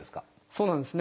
そうなんですね。